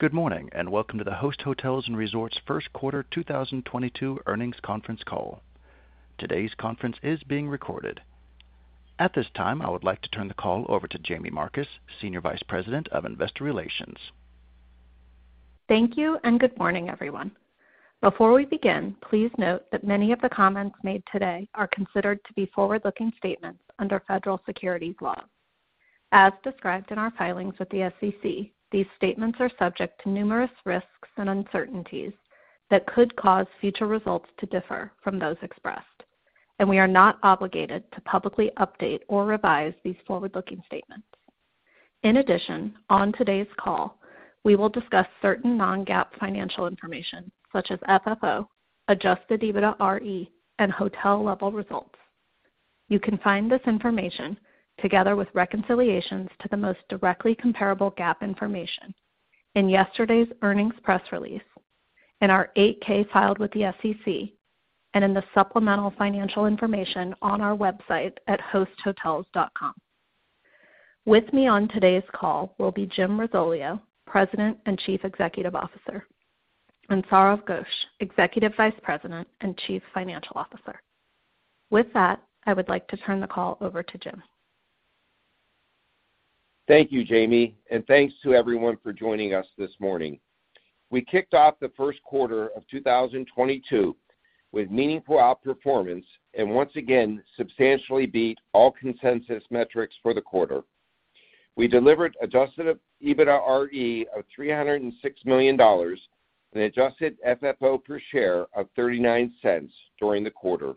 Good morning, and welcome to the Host Hotels & Resorts first quarter 2022 earnings conference call. Today's conference is being recorded. At this time, I would like to turn the call over to Jaime Marcus, Senior Vice President of Investor Relations. Thank you, and good morning, everyone. Before we begin, please note that many of the comments made today are considered to be forward-looking statements under federal securities laws. As described in our filings with the SEC, these statements are subject to numerous risks and uncertainties that could cause future results to differ from those expressed, and we are not obligated to publicly update or revise these forward-looking statements. In addition, on today's call, we will discuss certain non-GAAP financial information, such as FFO, adjusted EBITDAre, and hotel-level results. You can find this information, together with reconciliations to the most directly comparable GAAP information, in yesterday's earnings press release, in our 8-K filed with the SEC, and in the supplemental financial information on our website at hosthotels.com. With me on today's call will be Jim Risoleo, President and Chief Executive Officer, and Sourav Ghosh, Executive Vice President and Chief Financial Officer. With that, I would like to turn the call over to Jim. Thank you, Jamie, and thanks to everyone for joining us this morning. We kicked off the first quarter of 2022 with meaningful outperformance and once again substantially beat all consensus metrics for the quarter. We delivered adjusted EBITDAre of $306 million and adjusted FFO per share of $0.39 during the quarter.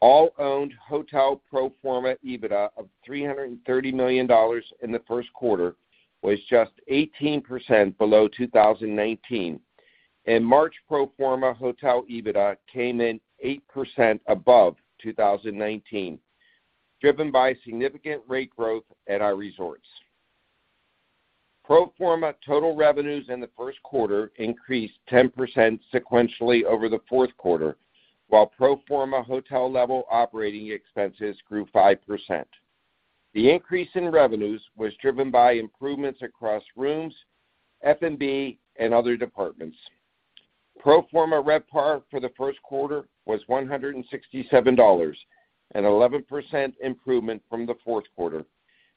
All owned hotel pro forma EBITDA of $330 million in the first quarter was just 18% below 2019, and March pro forma hotel EBITDA came in 8% above 2019, driven by significant rate growth at our resorts. Pro forma total revenues in the first quarter increased 10% sequentially over the fourth quarter, while pro forma hotel-level operating expenses grew 5%. The increase in revenues was driven by improvements across rooms, F&B, and other departments. Pro forma RevPAR for the first quarter was $167, an 11% improvement from the fourth quarter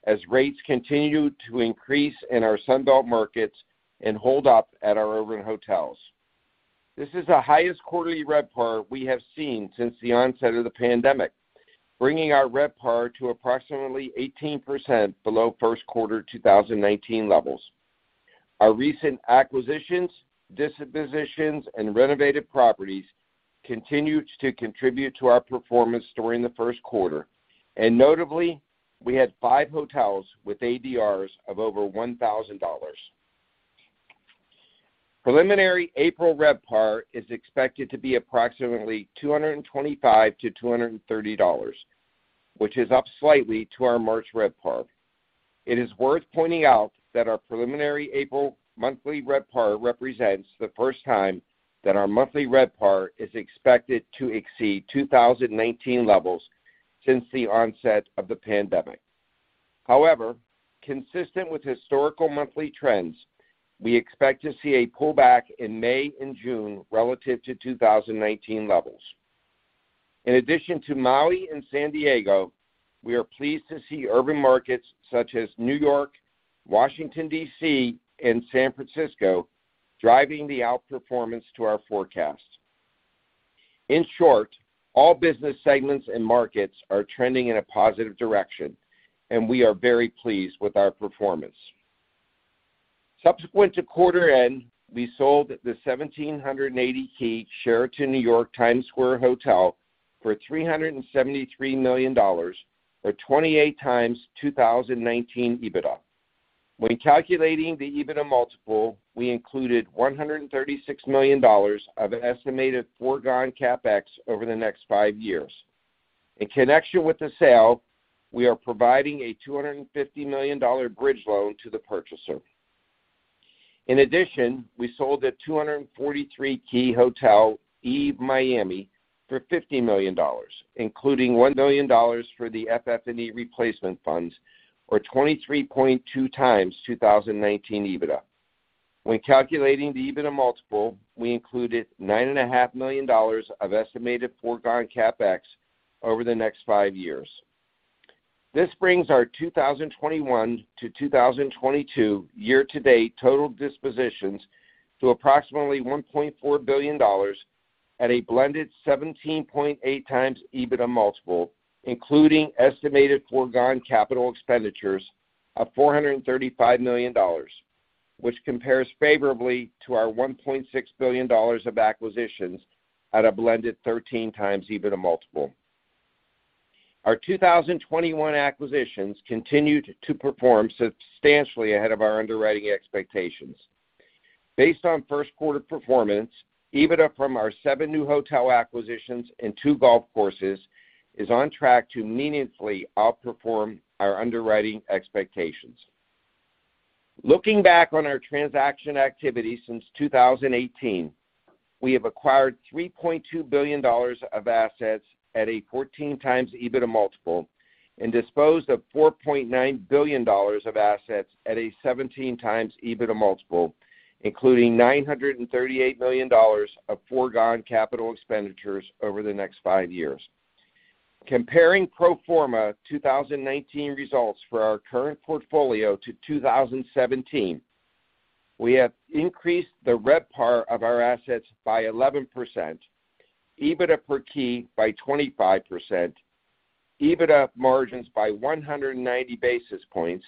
as rates continued to increase in our Sun Belt markets and hold up at our urban hotels. This is the highest quarterly RevPAR we have seen since the onset of the pandemic, bringing our RevPAR to approximately 18% below first quarter 2019 levels. Our recent acquisitions, dispositions, and renovated properties continued to contribute to our performance during the first quarter. Notably, we had five hotels with ADRs of over $1,000. Preliminary April RevPAR is expected to be approximately $225-$230, which is up slightly to our March RevPAR. It is worth pointing out that our preliminary April monthly RevPAR represents the first time that our monthly RevPAR is expected to exceed 2019 levels since the onset of the pandemic. However, consistent with historical monthly trends, we expect to see a pullback in May and June relative to 2019 levels. In addition to Maui and San Diego, we are pleased to see urban markets such as New York, Washington, D.C., and San Francisco driving the outperformance to our forecast. In short, all business segments and markets are trending in a positive direction, and we are very pleased with our performance. Subsequent to quarter end, we sold the 1,780-key Sheraton New York Times Square Hotel for $373 million, or 28x 2019 EBITDA. When calculating the EBITDA multiple, we included $136 million of estimated foregone CapEx over the next five years. In connection with the sale, we are providing a $250 million bridge loan to the purchaser. In addition, we sold the 243-key hotel, YVE Miami, for $50 million, including $1 million for the FF&E replacement funds, or 23.2x 2019 EBITDA. When calculating the EBITDA multiple, we included $9.5 million of estimated foregone CapEx over the next five years. This brings our 2021 to 2022 year-to-date total dispositions to approximately $1.4 billion at a blended 17.8x EBITDA multiple, including estimated foregone capital expenditures of $435 million, which compares favorably to our $1.6 billion of acquisitions at a blended 13x EBITDA multiple. Our 2021 acquisitions continued to perform substantially ahead of our underwriting expectations. Based on first quarter performance, EBITDA from our seven new hotel acquisitions and two golf courses is on track to meaningfully outperform our underwriting expectations. Looking back on our transaction activity since 2018. We have acquired $3.2 billion of assets at a 14x EBITDA multiple and disposed of $4.9 billion of assets at a 17x EBITDA multiple, including $938 million of foregone capital expenditures over the next five years. Comparing pro forma 2019 results for our current portfolio to 2017, we have increased the RevPAR of our assets by 11%, EBITDA per key by 25%, EBITDA margins by 190 basis points,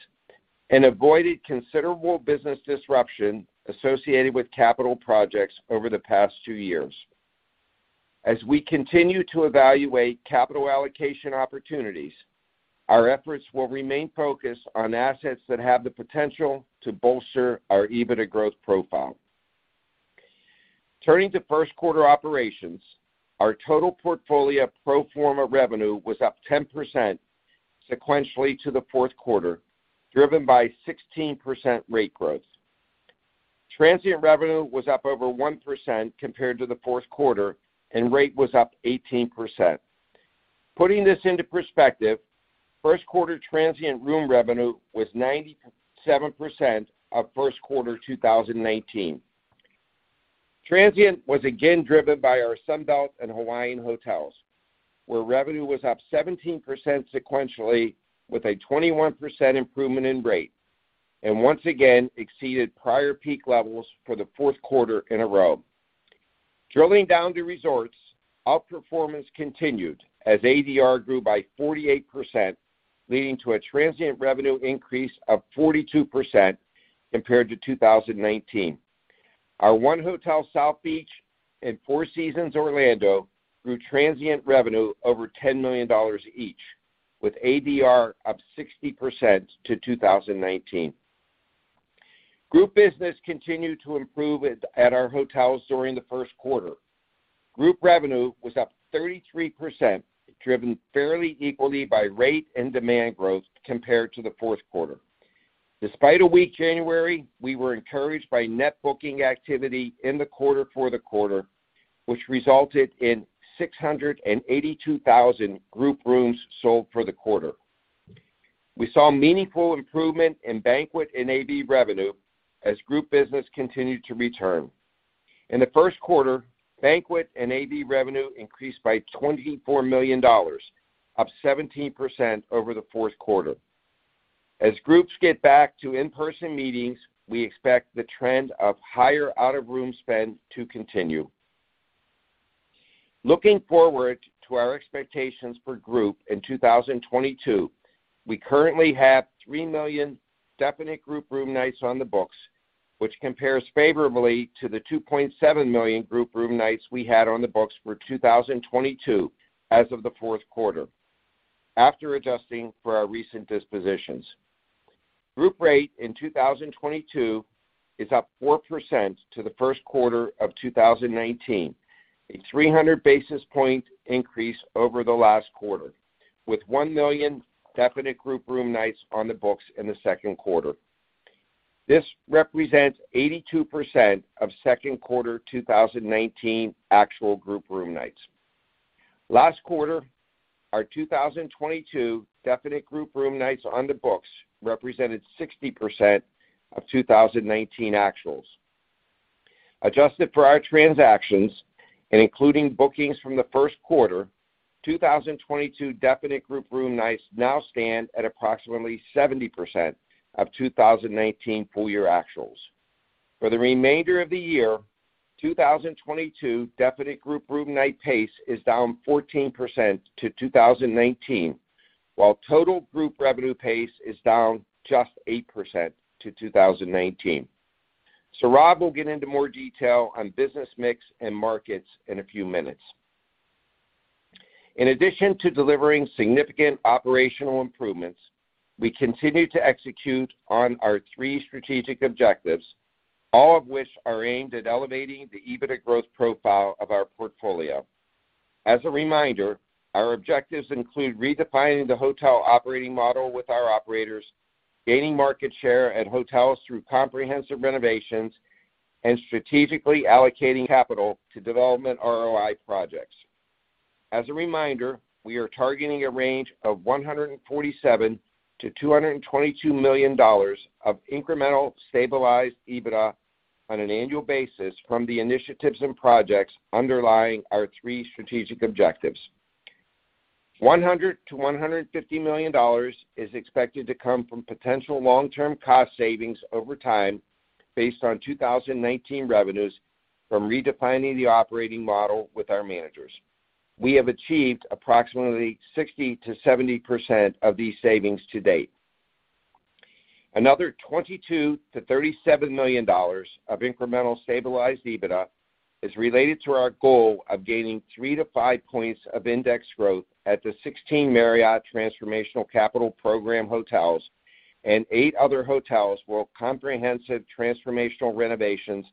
and avoided considerable business disruption associated with capital projects over the past two years. As we continue to evaluate capital allocation opportunities, our efforts will remain focused on assets that have the potential to bolster our EBITDA growth profile. Turning to first quarter operations, our total portfolio pro forma revenue was up 10% sequentially to the fourth quarter, driven by 16% rate growth. Transient revenue was up over 1% compared to the fourth quarter, and rate was up 18%. Putting this into perspective, first quarter transient room revenue was 97% of first quarter 2019. Transient was again driven by our Sunbelt and Hawaiian hotels, where revenue was up 17% sequentially with a 21% improvement in rate, and once again exceeded prior peak levels for the fourth quarter in a row. Drilling down to resorts, outperformance continued as ADR grew by 48%, leading to a transient revenue increase of 42% compared to 2019. Our 1 Hotel South Beach and Four Seasons Orlando grew transient revenue over $10 million each, with ADR up 60% to 2019. Group business continued to improve at our hotels during the first quarter. Group revenue was up 33%, driven fairly equally by rate and demand growth compared to the fourth quarter. Despite a weak January, we were encouraged by net booking activity in the quarter for the quarter, which resulted in 682,000 group rooms sold for the quarter. We saw meaningful improvement in banquet and AV revenue as group business continued to return. In the first quarter, banquet and AV revenue increased by $24 million, up 17% over the fourth quarter. As groups get back to in-person meetings, we expect the trend of higher out-of-room spend to continue. Looking forward to our expectations for group in 2022, we currently have 3 million definite group room nights on the books, which compares favorably to the 2.7 million group room nights we had on the books for 2022 as of the fourth quarter, after adjusting for our recent dispositions. Group rate in 2022 is up 4% to the first quarter of 2019, a 300 basis point increase over the last quarter, with 1 million definite group room nights on the books in the second quarter. This represents 82% of second quarter 2019 actual group room nights. Last quarter, our 2022 definite group room nights on the books represented 60% of 2019 actuals. Adjusted for our transactions and including bookings from the first quarter, 2022 definite group room nights now stand at approximately 70% of 2019 full year actuals. For the remainder of the year, 2022 definite group room night pace is down 14% to 2019, while total group revenue pace is down just 8% to 2019. Sourav will get into more detail on business mix and markets in a few minutes. In addition to delivering significant operational improvements, we continue to execute on our three strategic objectives, all of which are aimed at elevating the EBITDA growth profile of our portfolio. As a reminder, our objectives include redefining the hotel operating model with our operators, gaining market share at hotels through comprehensive renovations, and strategically allocating capital to development ROI projects. As a reminder, we are targeting a range of $147 million-$222 million of incremental stabilized EBITDA on an annual basis from the initiatives and projects underlying our three strategic objectives. $100 million-$150 million is expected to come from potential long-term cost savings over time based on 2019 revenues from redefining the operating model with our managers. We have achieved approximately 60% to 70% of these savings to date. Another $22 million-$37 million of incremental stabilized EBITDA is related to our goal of gaining three to five points of index growth at the 16 Marriott Transformational Capital Program hotels and eight other hotels, where comprehensive transformational renovations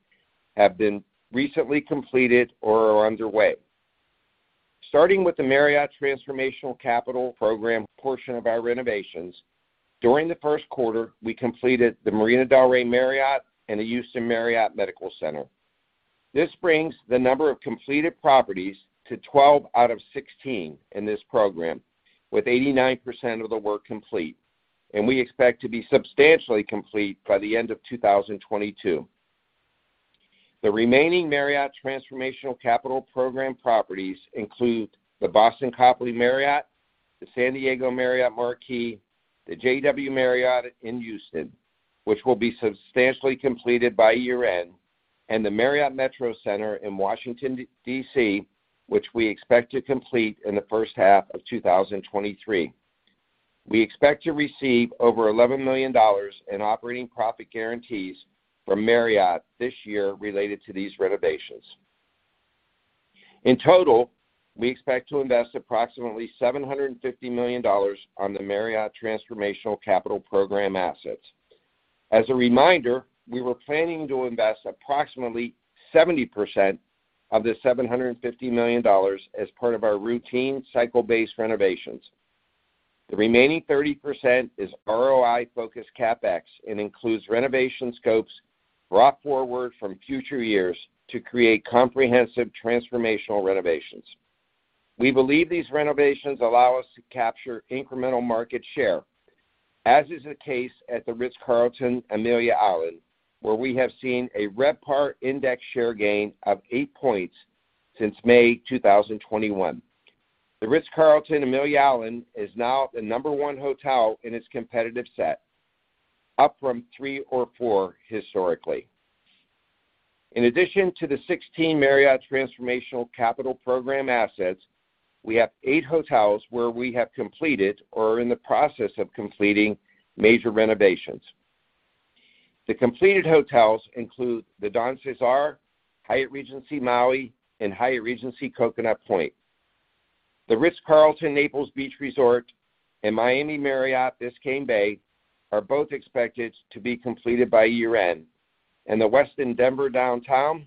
have been recently completed or are underway. Starting with the Marriott Transformational Capital Program portion of our renovations, during the first quarter, we completed the Marina del Rey Marriott and the Houston Marriott Medical Center. This brings the number of completed properties to 12 out of 16 in this program, with 89% of the work complete. We expect to be substantially complete by the end of 2022. The remaining Marriott Transformational Capital Program properties include the Boston Marriott Copley Place, the Marriott Marquis San Diego Marina, the JW Marriott in Houston, which will be substantially completed by year-end, and the Washington Marriott at Metro Center in Washington, D.C., which we expect to complete in the first half of 2023. We expect to receive over $11 million in operating profit guarantees from Marriott this year related to these renovations. In total, we expect to invest approximately $750 million on the Marriott Transformational Capital Program assets. As a reminder, we were planning to invest approximately 70% of the $750 million as part of our routine cycle-based renovations. The remaining 30% is ROI-focused CapEx and includes renovation scopes brought forward from future years to create comprehensive transformational renovations. We believe these renovations allow us to capture incremental market share, as is the case at The Ritz-Carlton, Amelia Island, where we have seen a RevPAR index share gain of 8 points since May 2021. The Ritz-Carlton, Amelia Island is now the number one hotel in its competitive set, up from three or four historically. In addition to the 16 Marriott Transformational Capital Program assets, we have eight hotels where we have completed or are in the process of completing major renovations. The completed hotels include The Don CeSar, Hyatt Regency Maui, and Hyatt Regency Coconut Point. The Ritz-Carlton, Naples Beach Resort and Miami Marriott Biscayne Bay are both expected to be completed by year-end. The Westin Denver Downtown,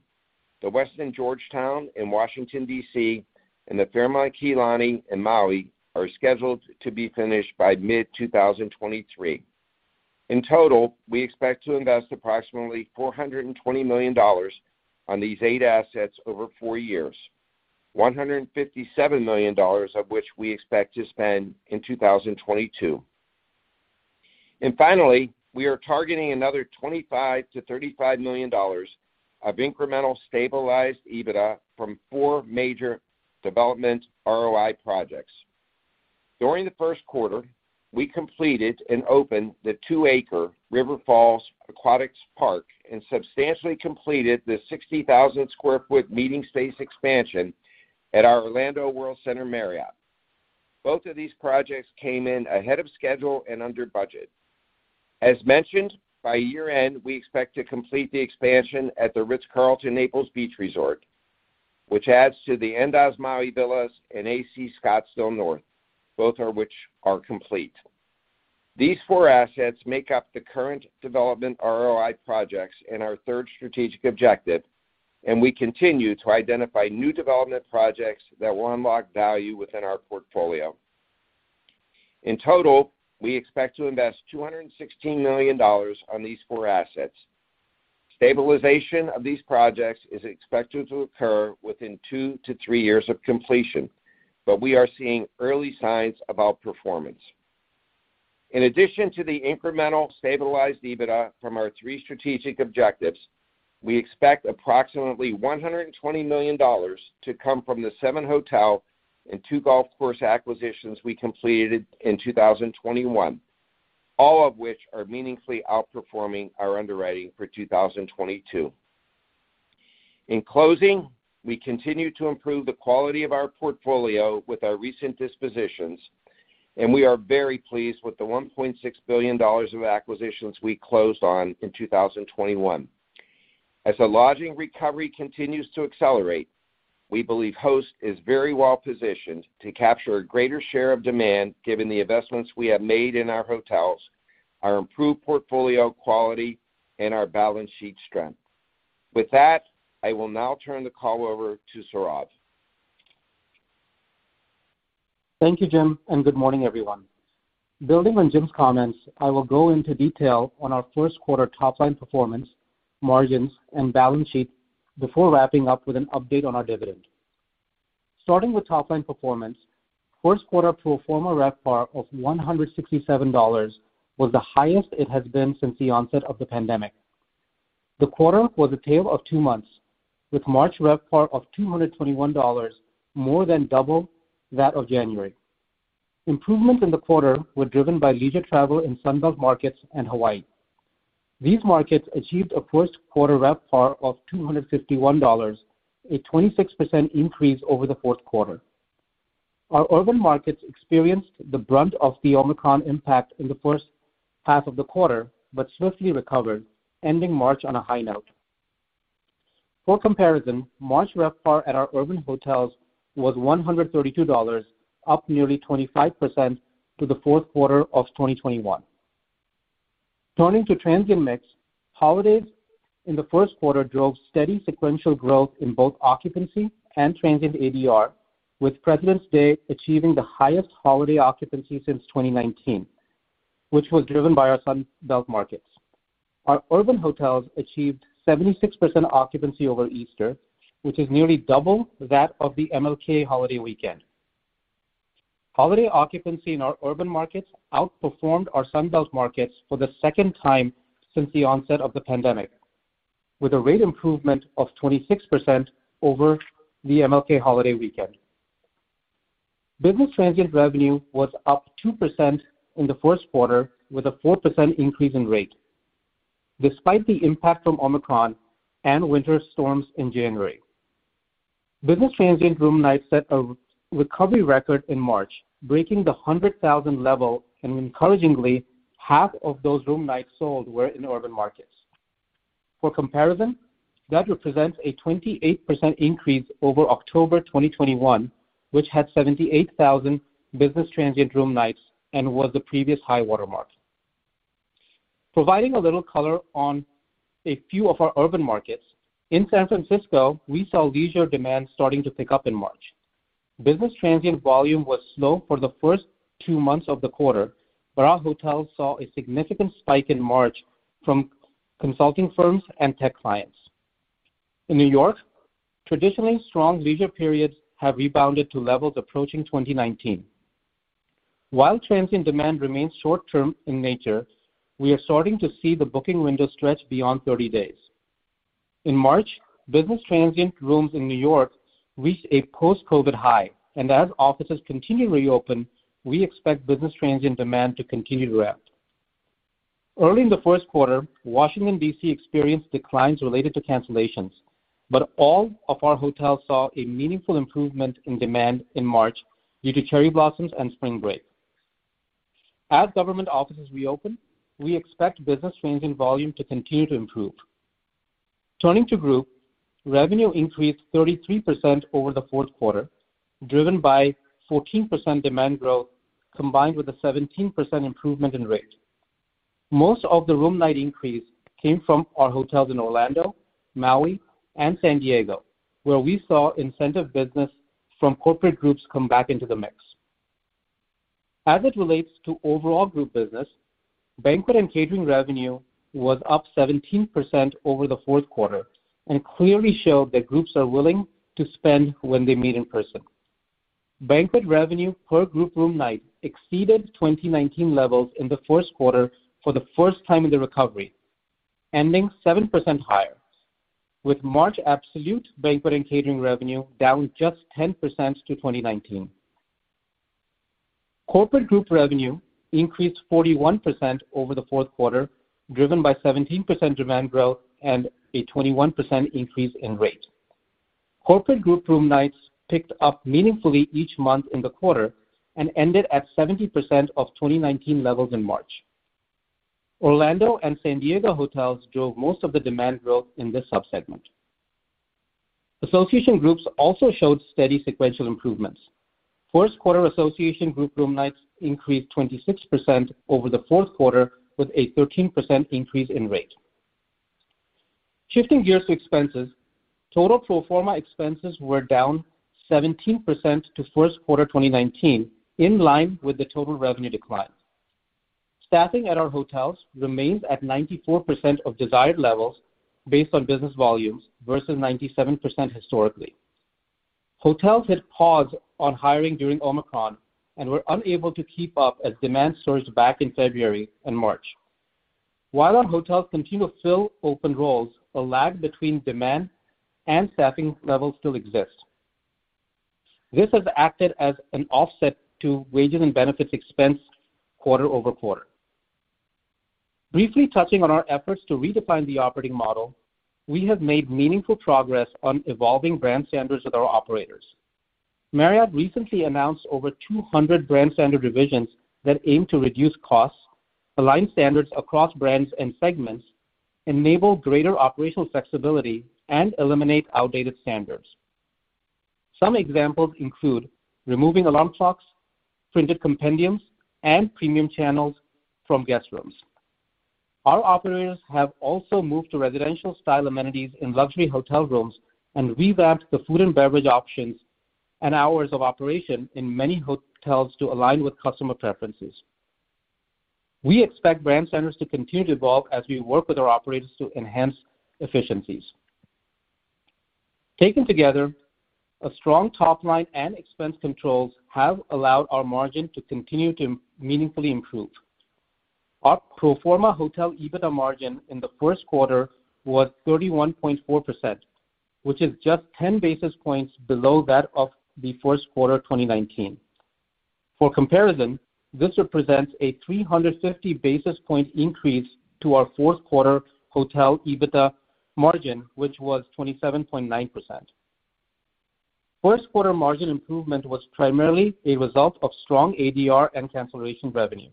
The Westin Georgetown in Washington, D.C., and the Fairmont Kea Lani in Maui are scheduled to be finished by mid-2023. In total, we expect to invest approximately $420 million on these eight assets over four years, $157 million of which we expect to spend in 2022. Finally, we are targeting another $25 million-$35 million of incremental stabilized EBITDA from four major development ROI projects. During the first quarter, we completed and opened the two-acre River Falls Waterpark and substantially completed the 60,000 sq ft meeting space expansion at our Orlando World Center Marriott. Both of these projects came in ahead of schedule and under budget. As mentioned, by year-end, we expect to complete the expansion at the Ritz-Carlton Naples Beach Resort, which adds to the Andaz Maui at Wailea Resort and AC Hotel Scottsdale North, both of which are complete. These four assets make up the current development ROI projects in our third strategic objective, and we continue to identify new development projects that will unlock value within our portfolio. In total, we expect to invest $216 million on these four assets. Stabilization of these projects is expected to occur within two to three years of completion, but we are seeing early signs of outperformance. In addition to the incremental stabilized EBITDA from our three strategic objectives, we expect approximately $120 million to come from the seven hotel and two golf course acquisitions we completed in 2021, all of which are meaningfully outperforming our underwriting for 2022. In closing, we continue to improve the quality of our portfolio with our recent dispositions, and we are very pleased with the $1.6 billion of acquisitions we closed on in 2021. As the lodging recovery continues to accelerate, we believe Host is very well positioned to capture a greater share of demand given the investments we have made in our hotels, our improved portfolio quality, and our balance sheet strength. With that, I will now turn the call over to Sourav. Thank you, Jim, and good morning, everyone. Building on Jim's comments, I will go into detail on our first quarter top-line performance, margins, and balance sheet before wrapping up with an update on our dividend. Starting with top-line performance, first quarter pro forma RevPAR of $167 was the highest it has been since the onset of the pandemic. The quarter was a tale of two months, with March RevPAR of $221, more than double that of January. Improvements in the quarter were driven by leisure travel in Sunbelt markets and Hawaii. These markets achieved a first quarter RevPAR of $251, a 26% increase over the fourth quarter. Our urban markets experienced the brunt of the Omicron impact in the first half of the quarter, but swiftly recovered, ending March on a high note. For comparison, March RevPAR at our urban hotels was $132, up nearly 25% to the fourth quarter of 2021. Turning to transient mix, holidays in the first quarter drove steady sequential growth in both occupancy and transient ADR, with Presidents' Day achieving the highest holiday occupancy since 2019, which was driven by our Sun Belt markets. Our urban hotels achieved 76% occupancy over Easter, which is nearly double that of the MLK holiday weekend. Holiday occupancy in our urban markets outperformed our Sun Belt markets for the second time since the onset of the pandemic, with a rate improvement of 26% over the MLK holiday weekend. Business transient revenue was up 2% in the first quarter with a 4% increase in rate despite the impact from Omicron and winter storms in January. Business transient room nights set a recovery record in March, breaking the 100,000 level, and encouragingly, half of those room nights sold were in urban markets. For comparison, that represents a 28% increase over October 2021, which had 78,000 business transient room nights and was the previous high watermark. Providing a little color on a few of our urban markets, in San Francisco, we saw leisure demand starting to pick up in March. Business transient volume was slow for the first two months of the quarter, but our hotels saw a significant spike in March from consulting firms and tech clients. In New York, traditionally strong leisure periods have rebounded to levels approaching 2019. While transient demand remains short-term in nature, we are starting to see the booking window stretch beyond 30 days. In March, business transient rooms in New York reached a post-COVID high, and as offices continue to reopen, we expect business transient demand to continue to ramp. Early in the first quarter, Washington, D.C. experienced declines related to cancellations, but all of our hotels saw a meaningful improvement in demand in March due to cherry blossoms and spring break. As government offices reopen, we expect business transient volume to continue to improve. Turning to group, revenue increased 33% over the fourth quarter, driven by 14% demand growth, combined with a 17% improvement in rate. Most of the room night increase came from our hotels in Orlando, Maui, and San Diego, where we saw incentive business from corporate groups come back into the mix. As it relates to overall group business, banquet and catering revenue was up 17% over the fourth quarter and clearly showed that groups are willing to spend when they meet in person. Banquet revenue per group room night exceeded 2019 levels in the first quarter for the first time in the recovery, ending 7% higher, with March absolute banquet and catering revenue down just 10% to 2019. Corporate group revenue increased 41% over the fourth quarter, driven by 17% demand growth and a 21% increase in rate. Corporate group room nights picked up meaningfully each month in the quarter and ended at 70% of 2019 levels in March. Orlando and San Diego hotels drove most of the demand growth in this sub-segment. Association groups also showed steady sequential improvements. First quarter association group room nights increased 26% over the fourth quarter with a 13% increase in rate. Shifting gears to expenses, total pro forma expenses were down 17% to first quarter 2019, in line with the total revenue decline. Staffing at our hotels remains at 94% of desired levels based on business volumes versus 97% historically. Hotels hit pause on hiring during Omicron and were unable to keep up as demand surged back in February and March. While our hotels continue to fill open roles, a lag between demand and staffing levels still exists. This has acted as an offset to wages and benefits expense quarter over quarter. Briefly touching on our efforts to redefine the operating model, we have made meaningful progress on evolving brand standards with our operators. Marriott recently announced over 200 brand standard revisions that aim to reduce costs, align standards across brands and segments, enable greater operational flexibility, and eliminate outdated standards. Some examples include removing alarm clocks, printed compendiums, and premium channels from guest rooms. Our operators have also moved to residential style amenities in luxury hotel rooms and revamped the food and beverage options and hours of operation in many hotels to align with customer preferences. We expect brand standards to continue to evolve as we work with our operators to enhance efficiencies. Taken together, a strong top line and expense controls have allowed our margin to continue to meaningfully improve. Our pro forma hotel EBITDA margin in the first quarter was 31.4%, which is just 10 basis points below that of the first quarter 2019. For comparison, this represents a 350 basis point increase to our fourth quarter hotel EBITDA margin, which was 27.9%. First quarter margin improvement was primarily a result of strong ADR and cancellation revenue.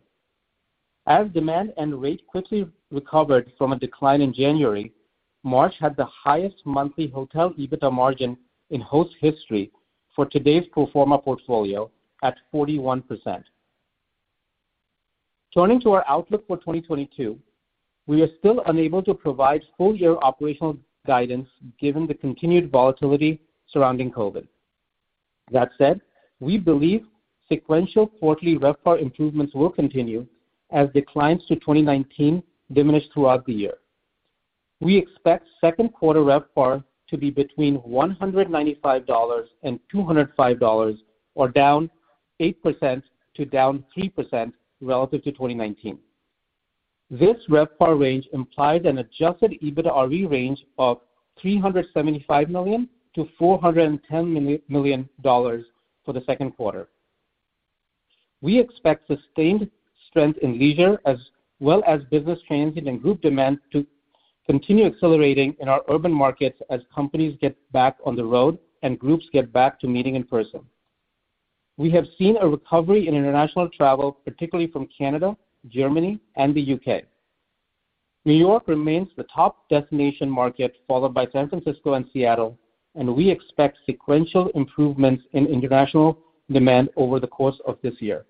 As demand and rate quickly recovered from a decline in January. March had the highest monthly hotel EBITDA margin in Host's history for today's pro forma portfolio at 41%. Turning to our outlook for 2022, we are still unable to provide full year operational guidance given the continued volatility surrounding COVID. That said, we believe sequential quarterly RevPAR improvements will continue as declines to 2019 diminish throughout the year. We expect second quarter RevPAR to be between $195 and $205, or down 8% to down 3% relative to 2019. This RevPAR range implies an adjusted EBITDAre range of $375 million-$410 million for the second quarter. We expect sustained strength in leisure as well as business transient and group demand to continue accelerating in our urban markets as companies get back on the road and groups get back to meeting in person. We have seen a recovery in international travel, particularly from Canada, Germany and the U.K. New York remains the top destination market, followed by San Francisco and Seattle, and we expect sequential improvements in international demand over the course of this year.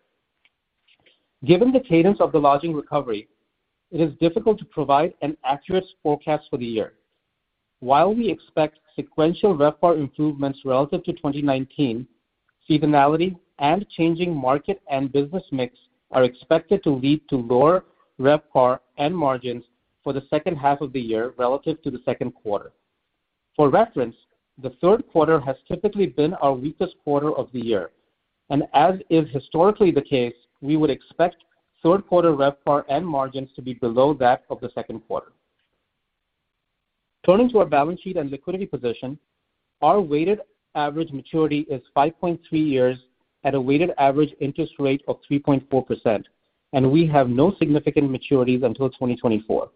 Given the cadence of the lodging recovery, it is difficult to provide an accurate forecast for the year. While we expect sequential RevPAR improvements relative to 2019, seasonality and changing market and business mix are expected to lead to lower RevPAR and margins for the second half of the year relative to the second quarter. For reference, the third quarter has typically been our weakest quarter of the year, and as is historically the case, we would expect third quarter RevPAR and margins to be below that of the second quarter. Turning to our balance sheet and liquidity position, our weighted average maturity is 5.3 years at a weighted average interest rate of 3.4%, and we have no significant maturities until 2024.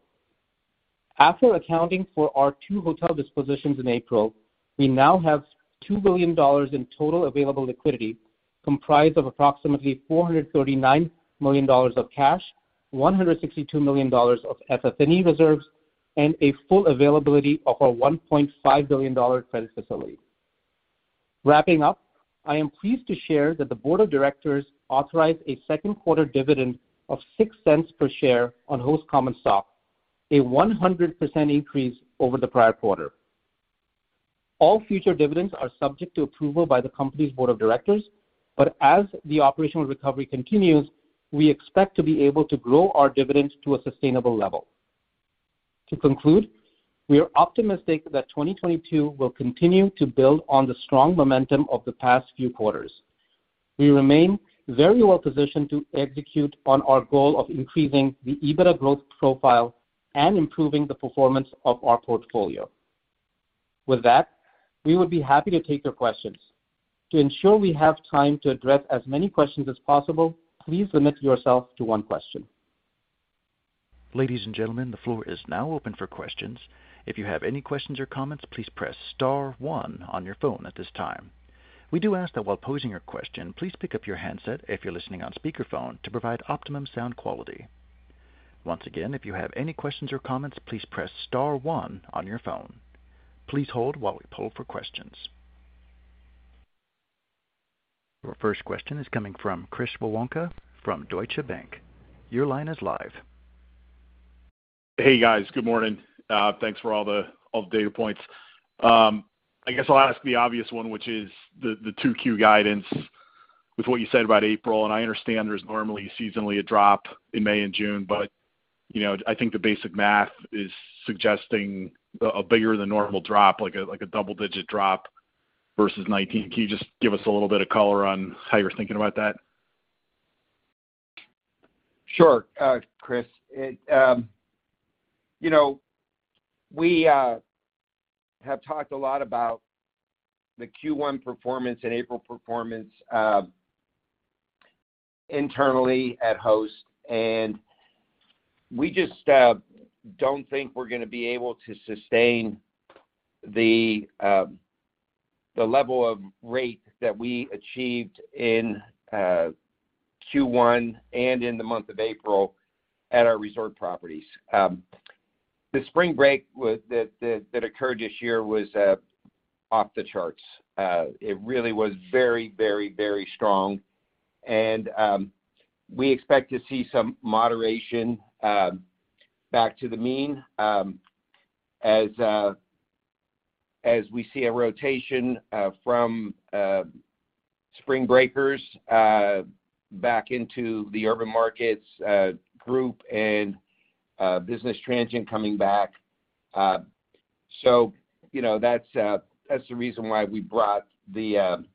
After accounting for our two hotel dispositions in April, we now have $2 billion in total available liquidity, comprised of approximately $439 million of cash, $162 million of FF&E reserves, and a full availability of our $1.5 billion credit facility. Wrapping up, I am pleased to share that the board of directors authorized a second quarter dividend of $0.06 per share on Host common stock, a 100% increase over the prior quarter. All future dividends are subject to approval by the company's board of directors. As the operational recovery continues, we expect to be able to grow our dividends to a sustainable level. To conclude, we are optimistic that 2022 will continue to build on the strong momentum of the past few quarters. We remain very well positioned to execute on our goal of increasing the EBITDA growth profile and improving the performance of our portfolio. With that, we would be happy to take your questions. To ensure we have time to address as many questions as possible, please limit yourself to one question. Ladies and gentlemen, the floor is now open for questions. If you have any questions or comments, please press star one on your phone at this time. We do ask that while posing your question, please pick up your handset if you're listening on speakerphone to provide optimum sound quality. Once again, if you have any questions or comments, please press star one on your phone. Please hold while we poll for questions. Your first question is coming from Chris Woronka from Deutsche Bank. Your line is live. Hey, guys. Good morning. Thanks for all the data points. I guess I'll ask the obvious one, which is the 2Q guidance with what you said about April, and I understand there's normally seasonally a drop in May and June, but you know, I think the basic math is suggesting a bigger than normal drop, like a double-digit drop versus 19. Can you just give us a little bit of color on how you're thinking about that? Sure, Chris. You know, we have talked a lot about the Q1 performance and April performance internally at Host, and we just don't think we're gonna be able to sustain the level of rate that we achieved in Q1 and in the month of April at our resort properties. The spring break that occurred this year was off the charts. It really was very strong and we expect to see some moderation back to the mean as we see a rotation from spring breakers back into the urban markets, group and business transient coming back. You know, that's the reason why we brought the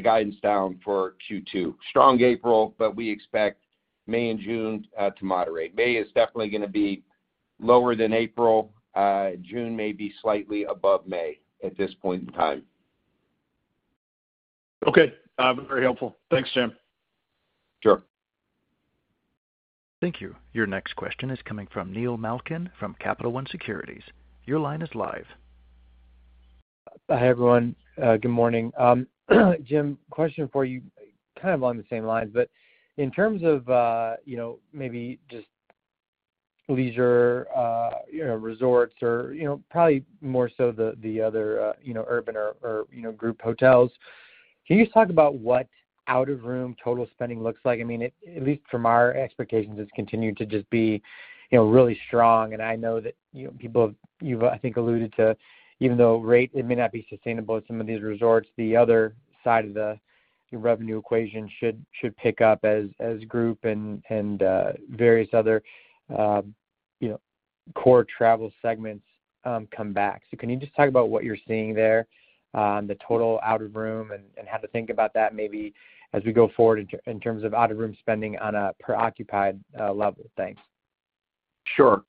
guidance down for Q2. Strong April, but we expect May and June to moderate. May is definitely gonna be lower than April. June may be slightly above May at this point in time. Okay. Very helpful. Thanks, Jim. Sure. Thank you. Your next question is coming from Neil Malkin from Capital One Securities. Your line is live. Hi, everyone. Good morning. Jim, question for you, kind of along the same lines, but in terms of, you know, maybe just leisure, you know, resorts or, you know, probably more so the other, you know, urban or group hotels. Can you just talk about what out-of-room total spending looks like? I mean, at least from our expectations, it's continued to just be, you know, really strong. I know that, you know, people. You've, I think, alluded to, even though rate, it may not be sustainable at some of these resorts, the other side of the revenue equation should pick up as group and core travel segments come back. Can you just talk about what you're seeing there, the total out-of-room and how to think about that maybe as we go forward in terms of out-of-room spending on a per occupied level? Thanks. Sure.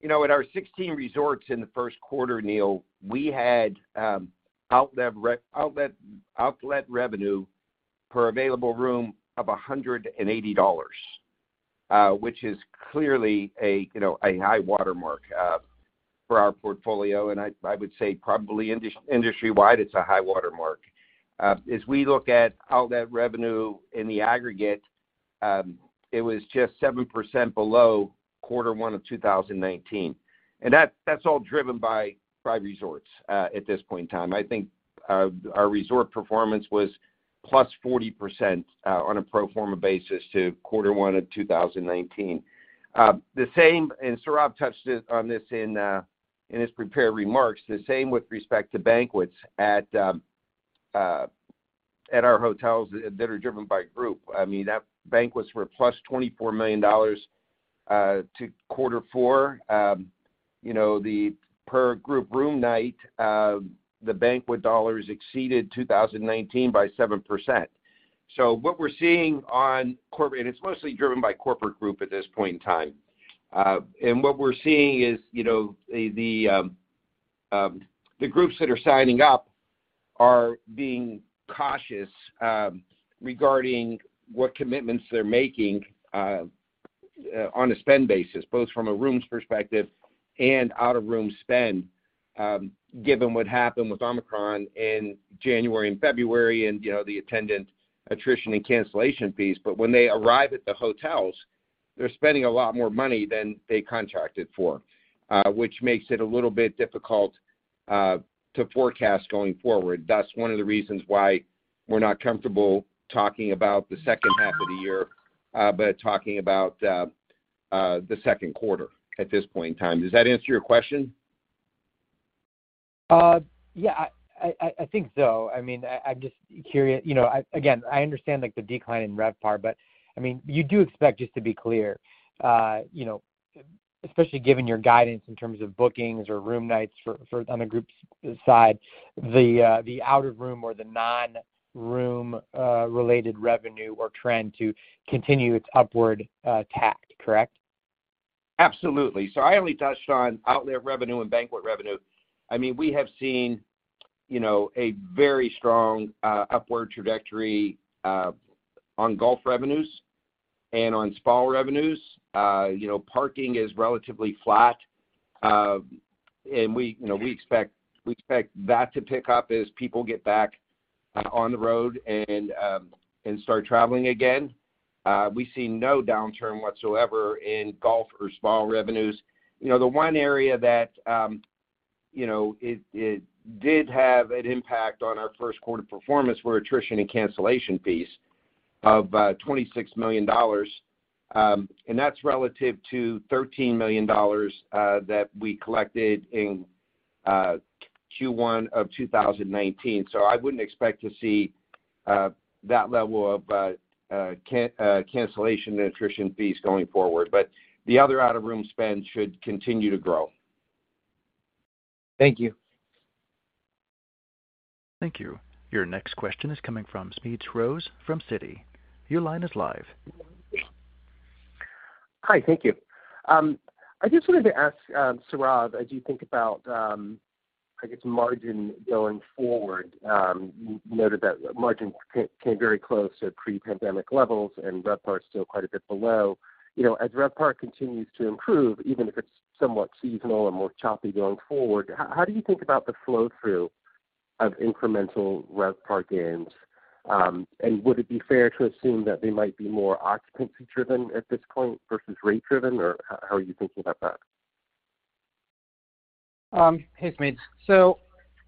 You know, at our 16 resorts in the first quarter, Neil, we had outlet revenue per available room of $180, which is clearly a high watermark for our portfolio. I would say probably industry-wide, it's a high watermark. As we look at outlet revenue in the aggregate, it was just 7% below Q1 2019. That's all driven by five resorts at this point in time. I think our resort performance was +40% on a pro forma basis to Q1 2019. The same, and Sourav touched on this in his prepared remarks, the same with respect to banquets at our hotels that are driven by group. I mean, that banquets were +$24 million to quarter four. You know, the per group room night, the banquet dollars exceeded 2019 by 7%. What we're seeing on corporate, and it's mostly driven by corporate group at this point in time. What we're seeing is, you know, the groups that are signing up are being cautious regarding what commitments they're making on a spend basis, both from a rooms perspective and out-of-room spend, given what happened with Omicron in January and February and, you know, the attendant attrition and cancellation fees. But when they arrive at the hotels, they're spending a lot more money than they contracted for, which makes it a little bit difficult to forecast going forward. That's one of the reasons why we're not comfortable talking about the second half of the year, but talking about the second quarter at this point in time. Does that answer your question? Yeah, I think so. I mean, I'm just curious. You know, again, I understand, like, the decline in RevPAR, but I mean, you do expect, just to be clear, you know, especially given your guidance in terms of bookings or room nights on the groups side, the out-of-room or the non-room related revenue or trend to continue its upward track, correct? Absolutely. I only touched on outlet revenue and banquet revenue. I mean, we have seen, you know, a very strong, upward trajectory, on golf revenues and on spa revenues. You know, parking is relatively flat, and we, you know, we expect that to pick up as people get back, on the road and start traveling again. We see no downturn whatsoever in golf or spa revenues. You know, the one area that, you know, it did have an impact on our first quarter performance were attrition and cancellation fees of, $26 million, and that's relative to $13 million, that we collected in, Q1 of 2019. I wouldn't expect to see, that level of, cancellation and attrition fees going forward. The other out-of-room spend should continue to grow. Thank you. Thank you. Your next question is coming from Smedes Rose from Citi. Your line is live. Hi, thank you. I just wanted to ask, Sourav, as you think about, I guess margin going forward, you noted that margins came very close to pre-pandemic levels and RevPAR is still quite a bit below. You know, as RevPAR continues to improve, even if it's somewhat seasonal or more choppy going forward, how do you think about the flow-through of incremental RevPAR gains? And would it be fair to assume that they might be more occupancy-driven at this point versus rate-driven, or how are you thinking about that? Hey, Smedes.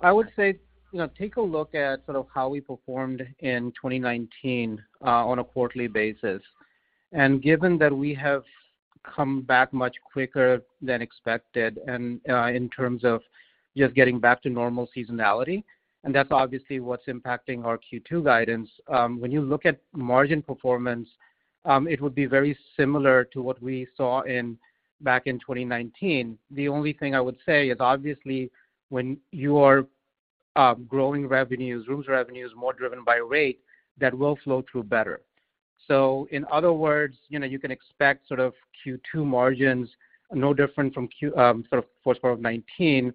I would say, you know, take a look at sort of how we performed in 2019 on a quarterly basis. Given that we have come back much quicker than expected and in terms of just getting back to normal seasonality, and that's obviously what's impacting our Q2 guidance, when you look at margin performance, it would be very similar to what we saw back in 2019. The only thing I would say is obviously when you are growing revenues, rooms revenues more driven by rate, that will flow through better. In other words, you know, you can expect sort of Q2 margins no different from Q1, sort of first quarter of 2019,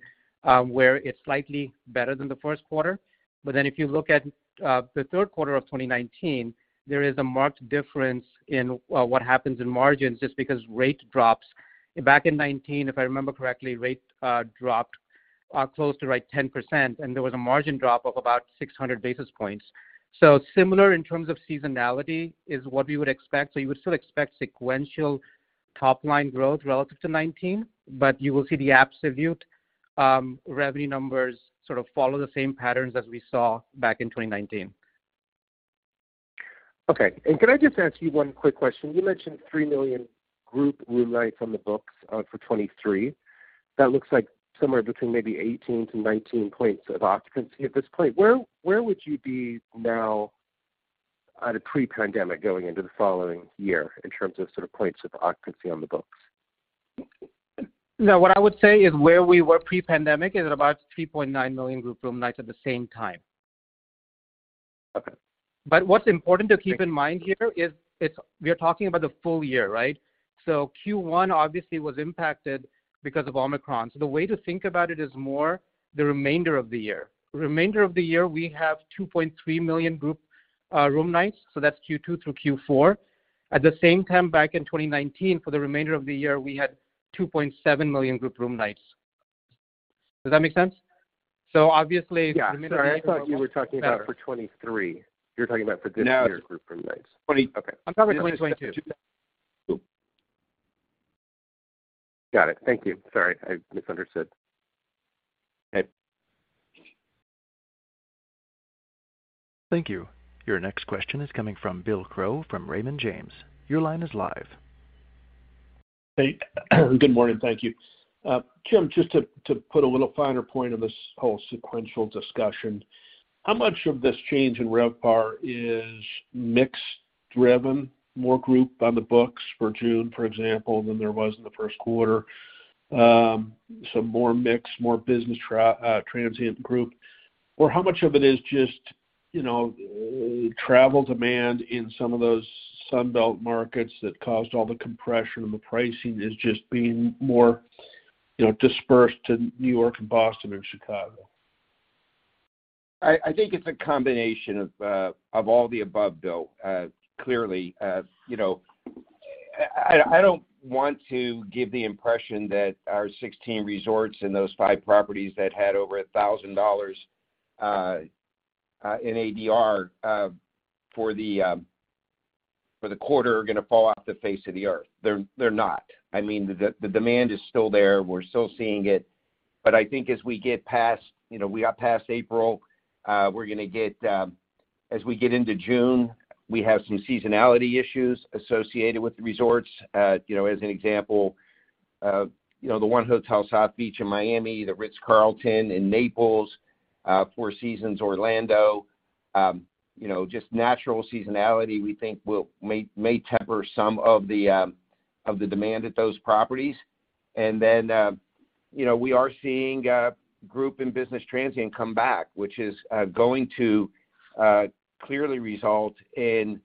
where it's slightly better than the first quarter. If you look at the third quarter of 2019, there is a marked difference in what happens in margins just because rate drops. Back in 2019, if I remember correctly, rate dropped. Are close to, like, 10%, and there was a margin drop of about 600 basis points. Similar in terms of seasonality is what we would expect. You would still expect sequential top-line growth relative to 2019, but you will see the absolute revenue numbers sort of follow the same patterns as we saw back in 2019. Okay. Can I just ask you one quick question? You mentioned 3 million group room nights on the books for 2023. That looks like somewhere between maybe 18-19 points of occupancy at this point. Where would you be now at a pre-pandemic going into the following year in terms of sort of points of occupancy on the books? No, what I would say is where we were pre-pandemic is at about 3.9 million group room nights at the same time. Okay. What's important to keep in mind here is we are talking about the full year, right? Q1 obviously was impacted because of Omicron. The way to think about it is more the remainder of the year. Remainder of the year, we have 2.3 million group room nights, so that's Q2 through Q4. At the same time, back in 2019, for the remainder of the year, we had 2.7 million group room nights. Does that make sense? Yeah. Sorry, I thought you were talking about for 2023. You're talking about for this year's group room nights. No. Okay. I'm talking 2022. Got it. Thank you. Sorry, I misunderstood. Okay. Thank you. Your next question is coming from Bill Crow from Raymond James. Your line is live. Hey. Good morning. Thank you. Jim, just to put a little finer point on this whole sequential discussion, how much of this change in RevPAR is mix driven, more group on the books for June, for example, than there was in the first quarter? Some more mix, more business transient group. Or how much of it is just, you know, travel demand in some of those Sun Belt markets that caused all the compression, and the pricing is just being more, you know, dispersed to New York and Boston and Chicago? I think it's a combination of all the above, Bill, clearly. You know, I don't want to give the impression that our 16 resorts and those five properties that had over $1,000 in ADR for the quarter are gonna fall off the face of the earth. They're not. I mean, the demand is still there. We're still seeing it. I think as we get past, you know, we are past April, we're gonna get, as we get into June, we have some seasonality issues associated with the resorts. You know, as an example, you know, the One Hotel South Beach in Miami, the Ritz-Carlton in Naples, Four Seasons Orlando, you know, just natural seasonality, we think may temper some of the demand at those properties. Then, you know, we are seeing group and business transient come back, which is going to clearly result in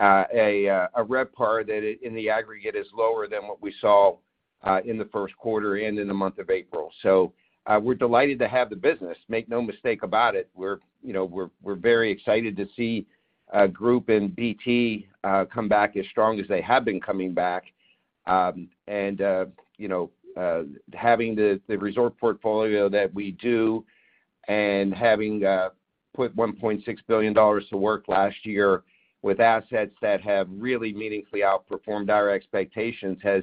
a RevPAR that in the aggregate is lower than what we saw in the first quarter and in the month of April. We're delighted to have the business. Make no mistake about it. We're, you know, we're very excited to see group and BT come back as strong as they have been coming back. You know, having the resort portfolio that we do and having put $1.6 billion to work last year with assets that have really meaningfully outperformed our expectations has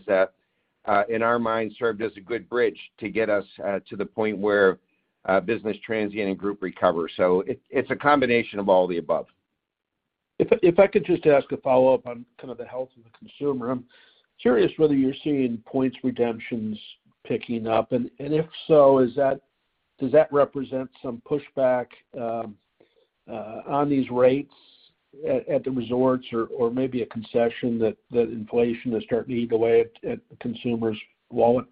in our mind served as a good bridge to get us to the point where business transient and group recover. It's a combination of all the above. If I could just ask a follow-up on kind of the health of the consumer. I'm curious whether you're seeing points redemptions picking up. If so, does that represent some pushback on these rates at the resorts or maybe a concession that inflation is starting to eat away at the consumer's wallet?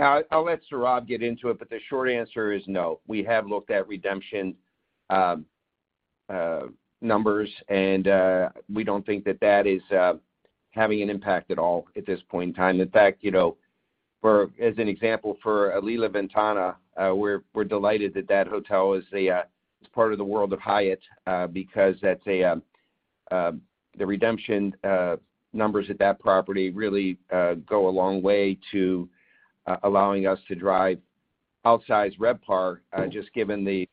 I'll let Sourav get into it, but the short answer is no. We have looked at redemption numbers, and we don't think that is having an impact at all at this point in time. In fact, you know, for as an example, for Alila Ventana, we're delighted that that hotel is part of the World of Hyatt, because that's the redemption numbers at that property really go a long way to allowing us to drive outsized RevPAR, just given the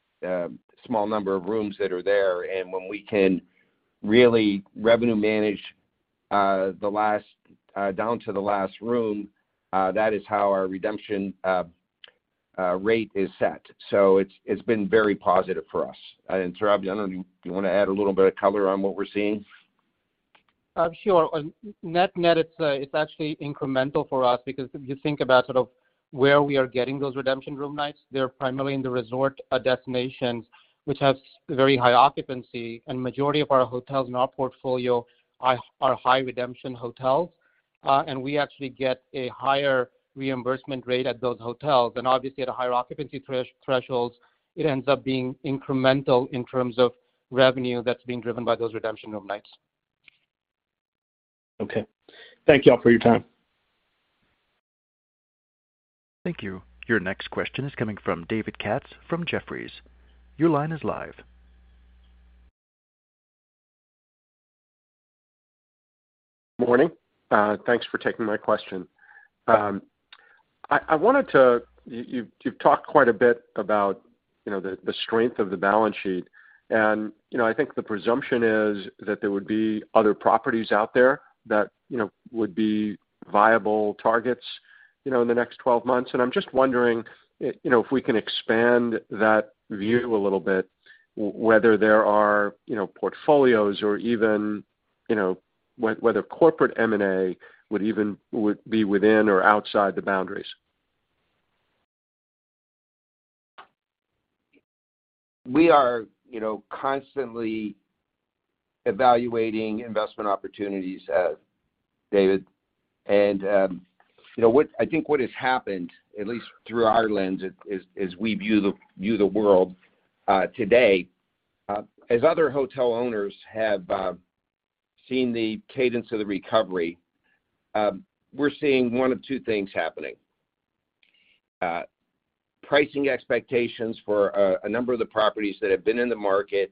small number of rooms that are there. When we can really revenue manage down to the last room, that is how our redemption rate is set. It's been very positive for us. Sourav, I don't know, do you wanna add a little bit of color on what we're seeing? Sure. Net net, it's actually incremental for us because if you think about sort of where we are getting those redemption room nights, they're primarily in the resort destinations, which has very high occupancy, and majority of our hotels in our portfolio are high redemption hotels. We actually get a higher reimbursement rate at those hotels. Obviously at a higher occupancy thresholds, it ends up being incremental in terms of revenue that's being driven by those redemption room nights. Okay. Thank y'all for your time. Thank you. Your next question is coming from David Katz from Jefferies. Your line is live. Morning. Thanks for taking my question. I wanted to—you've talked quite a bit about, you know, the strength of the balance sheet, and, you know, I think the presumption is that there would be other properties out there that, you know, would be viable targets, you know, in the next 12 months. I'm just wondering, you know, if we can expand that view a little bit, whether there are, you know, portfolios or even, you know, whether corporate M&A would even be within or outside the boundaries. We are, you know, constantly evaluating investment opportunities, David. You know what? I think what has happened, at least through our lens, as we view the world today, as other hotel owners have seen the cadence of the recovery, we're seeing one of two things happening. Pricing expectations for a number of the properties that have been in the market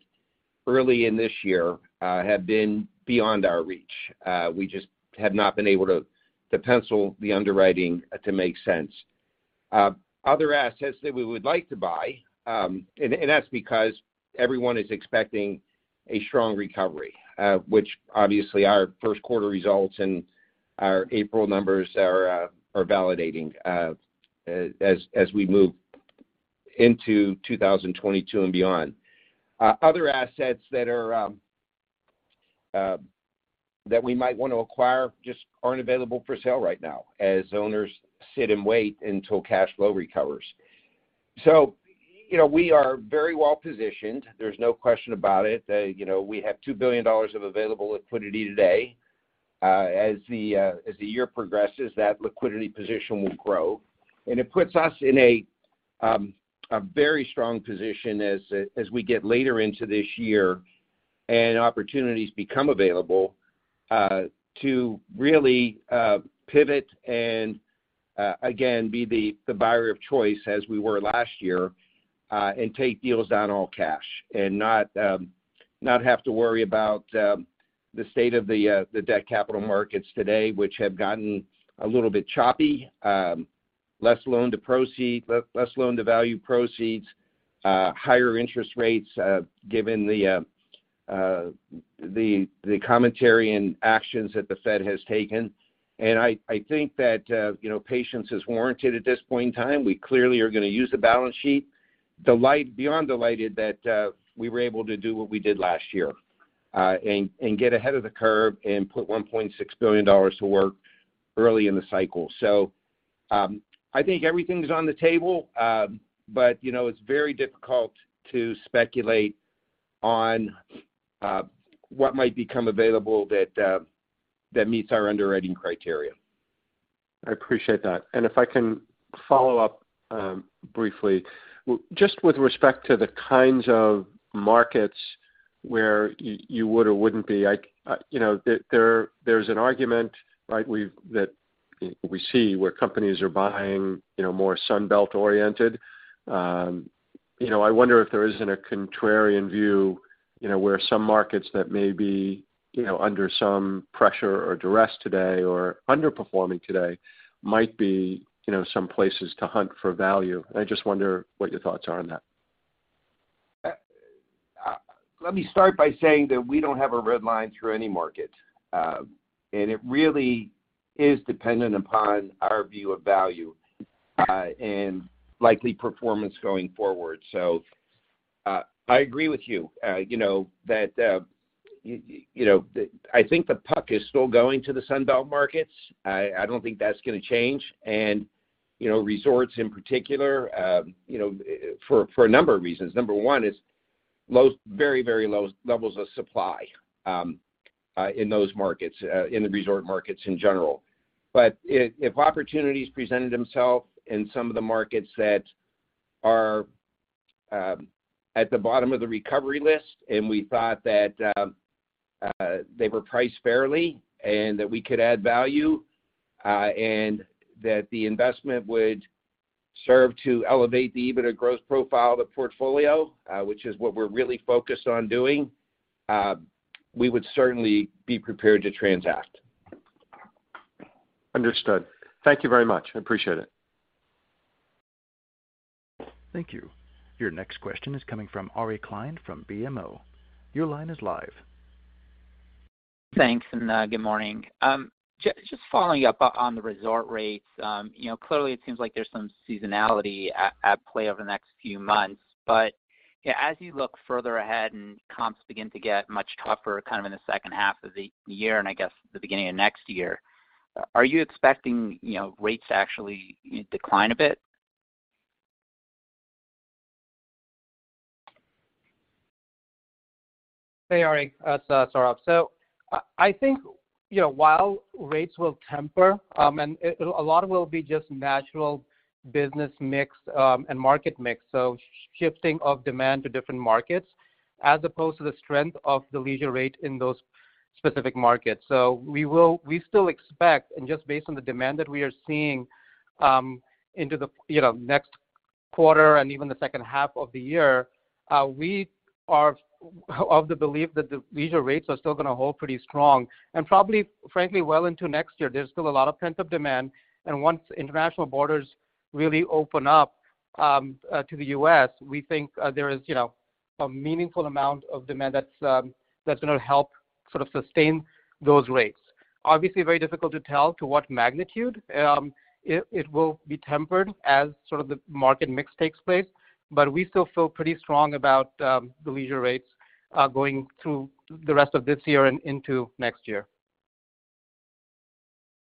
early in this year have been beyond our reach. We just have not been able to pencil the underwriting to make sense. Other assets that we would like to buy, and that's because everyone is expecting a strong recovery, which obviously our first quarter results and our April numbers are validating, as we move into 2022 and beyond. Other assets that we might wanna acquire just aren't available for sale right now as owners sit and wait until cash flow recovers. You know, we are very well positioned, there's no question about it. You know, we have $2 billion of available liquidity today. As the year progresses, that liquidity position will grow. It puts us in a very strong position as we get later into this year and opportunities become available to really pivot and again be the buyer of choice as we were last year and take deals down all cash, and not have to worry about the state of the debt capital markets today, which have gotten a little bit choppy. Less loan to value proceeds, higher interest rates, given the commentary and actions that the Fed has taken. I think that, you know, patience is warranted at this point in time. We clearly are gonna use the balance sheet. Beyond delighted that we were able to do what we did last year and get ahead of the curve and put $1.6 billion to work early in the cycle. I think everything's on the table. You know, it's very difficult to speculate on what might become available that meets our underwriting criteria. I appreciate that. If I can follow up briefly. Just with respect to the kinds of markets where you would or wouldn't be, you know, there's an argument, right? You know, we see where companies are buying, you know, more Sun Belt oriented. You know, I wonder if there isn't a contrarian view, you know, where some markets that may be, you know, under some pressure or duress today or underperforming today might be, you know, some places to hunt for value. I just wonder what your thoughts are on that. Let me start by saying that we don't have a red line through any market. It really is dependent upon our view of value and likely performance going forward. I agree with you know, that you know, I think the puck is still going to the Sun Belt markets. I don't think that's gonna change. You know, resorts in particular, you know, for a number of reasons. Number one is very, very low levels of supply in those markets, in the resort markets in general. If opportunities presented themselves in some of the markets that are at the bottom of the recovery list, and we thought that they were priced fairly and that we could add value, and that the investment would serve to elevate the EBITDA growth profile of the portfolio, which is what we're really focused on doing, we would certainly be prepared to transact. Understood. Thank you very much. I appreciate it. Thank you. Your next question is coming from Ari Klein from BMO. Your line is live. Thanks, good morning. Just following up on the resort rates. You know, clearly it seems like there's some seasonality at play over the next few months. You know, as you look further ahead and comps begin to get much tougher kind of in the second half of the year and I guess the beginning of next year, are you expecting, you know, rates to actually decline a bit? Hey, Ari, it's Sourav. I think, you know, while rates will temper, and a lot of it will be just natural business mix, and market mix, so shifting of demand to different markets as opposed to the strength of the leisure rate in those specific markets. We still expect, and just based on the demand that we are seeing, into the, you know, next quarter and even the second half of the year, we are of the belief that the leisure rates are still going to hold pretty strong. Probably, frankly, well into next year. There's still a lot of pent-up demand, and once international borders really open up to the U.S., we think there is, you know, a meaningful amount of demand that's going to help sort of sustain those rates. Obviously, very difficult to tell to what magnitude. It will be tempered as sort of the market mix takes place. We still feel pretty strong about the leisure rates going through the rest of this year and into next year.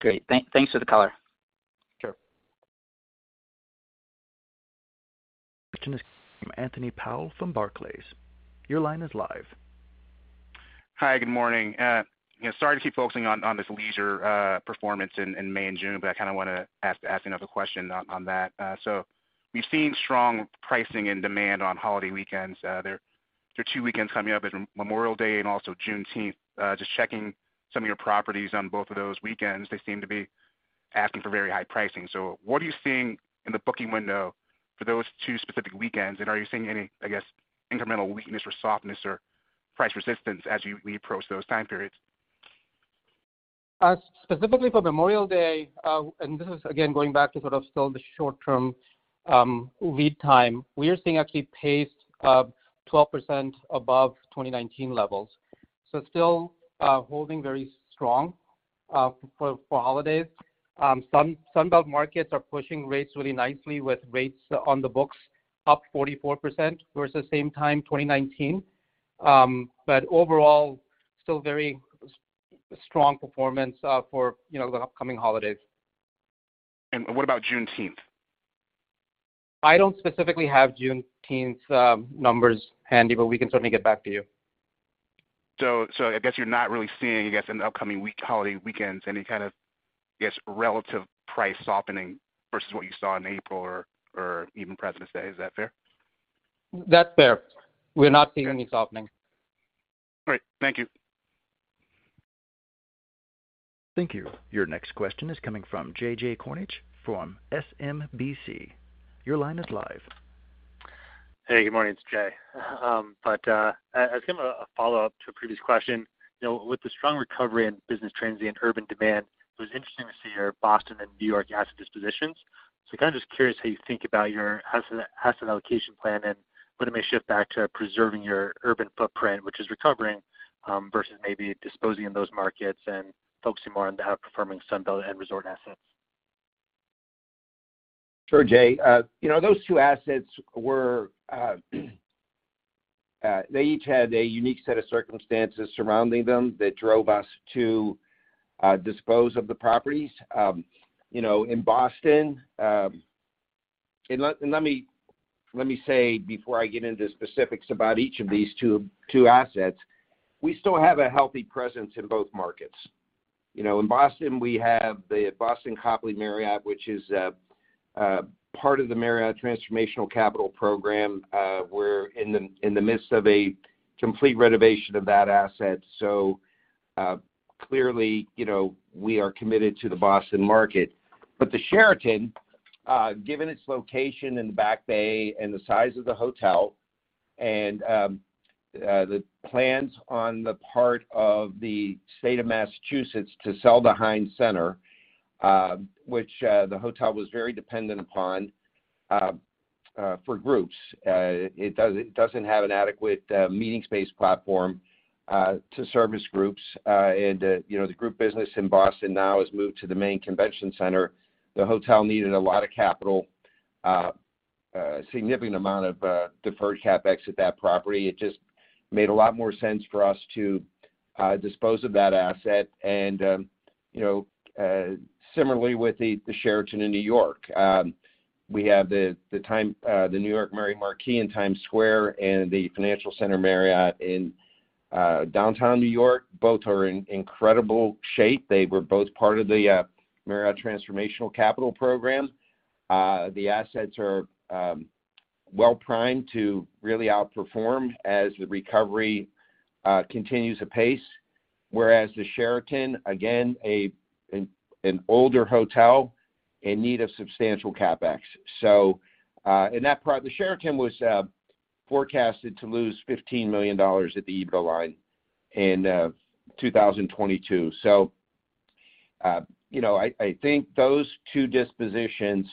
Great. Thanks for the color. Sure. Question is from Anthony Powell from Barclays. Your line is live. Hi, good morning. You know, sorry to keep focusing on this leisure performance in May and June, but I kind of want to ask another question on that. We've seen strong pricing and demand on holiday weekends. There are two weekends coming up. There's Memorial Day and also Juneteenth. Just checking some of your properties on both of those weekends, they seem to be asking for very high pricing. What are you seeing in the booking window for those two specific weekends? Are you seeing any, I guess, incremental weakness or softness or price resistance as we approach those time periods? Specifically for Memorial Day, and this is again, going back to sort of still the short-term, lead time, we are seeing actually pace of 12% above 2019 levels. Still, holding very strong, for holidays. Sunbelt markets are pushing rates really nicely with rates on the books up 44% versus same time, 2019. But overall, still very strong performance, for, you know, the upcoming holidays. What about Juneteenth? I don't specifically have Juneteenth numbers handy, but we can certainly get back to you. I guess you're not really seeing, I guess, in the upcoming holiday weekends, any kind of, I guess, relative price softening versus what you saw in April or even Presidents' Day. Is that fair? That's fair. We're not seeing any softening. All right. Thank you. Thank you. Your next question is coming from Jay Kornreich from SMBC. Your line is live. Hey, good morning. It's Jay. It's kind of a follow-up to a previous question. You know, with the strong recovery in business transient urban demand, it was interesting to see your Boston and New York asset dispositions. Kind of just curious how you think about your asset allocation plan and whether it may shift back to preserving your urban footprint, which is recovering, versus maybe disposing in those markets and focusing more on the outperforming Sunbelt and resort assets. Sure, Jay. You know, those two assets were, they each had a unique set of circumstances surrounding them that drove us to dispose of the properties. You know, in Boston, let me say before I get into specifics about each of these two assets, we still have a healthy presence in both markets. You know, in Boston, we have the Boston Marriott Copley Place, which is a part of the Marriott Transformational Capital Program, we're in the midst of a complete renovation of that asset. Clearly, you know, we are committed to the Boston market. The Sheraton, given its location in the Back Bay and the size of the hotel and the plans on the part of the State of Massachusetts to sell the Hynes Convention Center, which the hotel was very dependent upon for groups. It doesn't have an adequate meeting space platform to service groups. You know, the group business in Boston now has moved to the main convention center. The hotel needed a lot of capital, a significant amount of deferred CapEx at that property. It just made a lot more sense for us to dispose of that asset. You know, similarly with the Sheraton in New York. We have the New York Marriott Marquis in Times Square and the New York Marriott Downtown in downtown New York. Both are in incredible shape. They were both part of the Marriott Transformational Capital program. The assets are well-primed to really outperform as the recovery continues apace, whereas the Sheraton, again, an older hotel in need of substantial CapEx. The Sheraton was forecasted to lose $15 million at the EBITDA line in 2022. You know, I think those two dispositions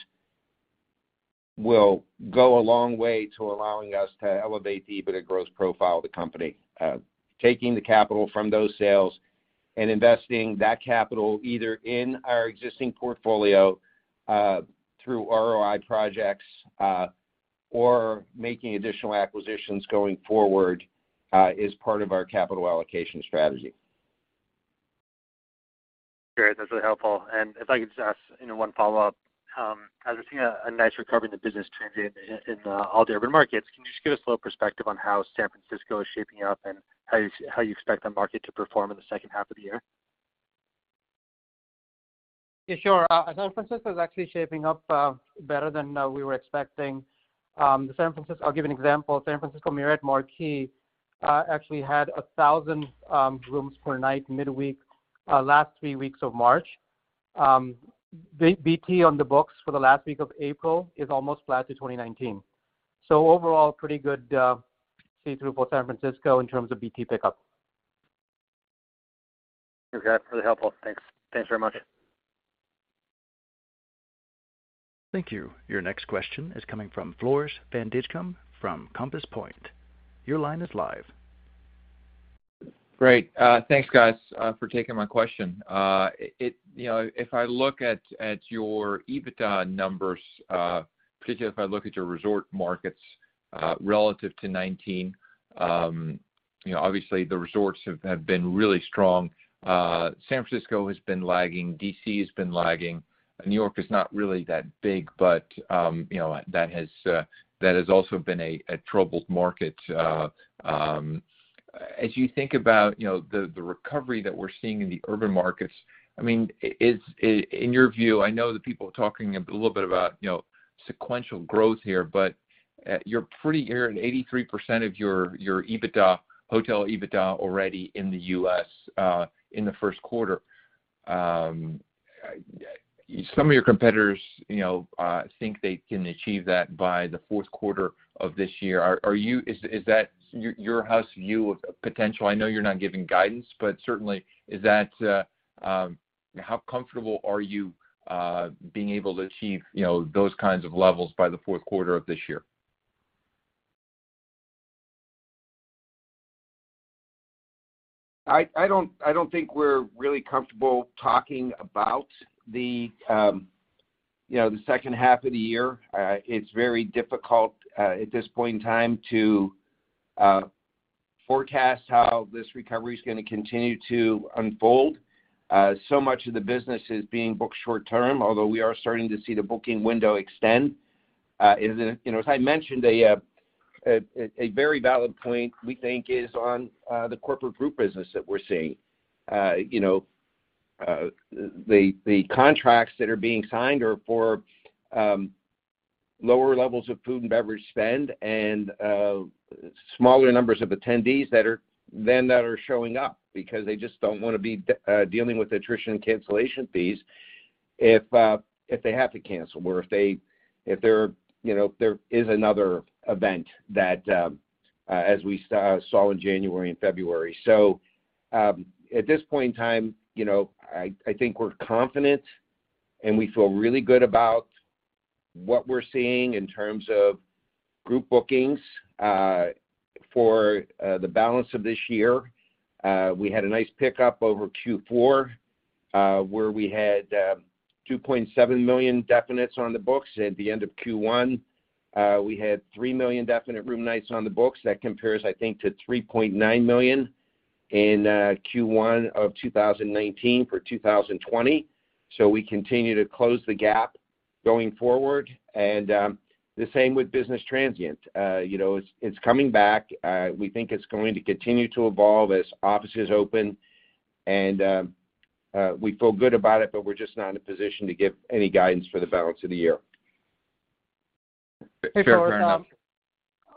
will go a long way to allowing us to elevate the EBITDA growth profile of the company. Taking the capital from those sales and investing that capital either in our existing portfolio through ROI projects or making additional acquisitions going forward is part of our capital allocation strategy. Great. That's really helpful. If I could just ask, you know, one follow-up. As we're seeing a nice recovery in the business transient in all the urban markets, can you just give us a little perspective on how San Francisco is shaping up and how you expect the market to perform in the second half of the year? Yeah, sure. San Francisco is actually shaping up better than we were expecting. San Francisco, I'll give you an example. San Francisco Marriott Marquis actually had 1,000 rooms per night midweek last three weeks of March. The BT on the books for the last week of April is almost flat to 2019. Overall, pretty good see-through for San Francisco in terms of BT pickup. Okay. Really helpful. Thanks. Thanks very much. Thank you. Your next question is coming from Floris van Dijkum from Compass Point. Your line is live. Great. Thanks, guys, for taking my question. You know, if I look at your EBITDA numbers, particularly if I look at your resort markets relative to 2019, you know, obviously the resorts have been really strong. San Francisco has been lagging, D.C. has been lagging. New York is not really that big, but you know, that has also been a troubled market. As you think about, you know, the recovery that we're seeing in the urban markets, I mean, in your view I know that people are talking a little bit about, you know, sequential growth here, but you're at 83% of your EBITDA, hotel EBITDA already in the U.S., in the first quarter. Some of your competitors, you know, think they can achieve that by the fourth quarter of this year. Is that your house view of potential? I know you're not giving guidance, but certainly is that how comfortable are you being able to achieve, you know, those kinds of levels by the fourth quarter of this year? I don't think we're really comfortable talking about you know the second half of the year. It's very difficult at this point in time to forecast how this recovery is gonna continue to unfold. So much of the business is being booked short term, although we are starting to see the booking window extend. You know, as I mentioned, a very valid point we think is on the corporate group business that we're seeing. You know, the contracts that are being signed are for lower levels of food and beverage spend and smaller numbers of attendees than that are showing up because they just don't wanna be dealing with attrition and cancellation fees if they have to cancel or if there, you know, there is another event that as we saw in January and February. At this point in time, you know, I think we're confident, and we feel really good about what we're seeing in terms of group bookings for the balance of this year. We had a nice pickup over Q4, where we had 2.7 million definites on the books. At the end of Q1, we had 3 million definite room nights on the books. That compares, I think, to $3.9 million in Q1 of 2019 for 2020. We continue to close the gap going forward. The same with business transient. You know, it's coming back. We think it's going to continue to evolve as offices open. We feel good about it, but we're just not in a position to give any guidance for the balance of the year. Fair enough.